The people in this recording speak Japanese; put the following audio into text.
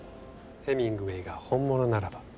ヘミングウェイが本物ならば。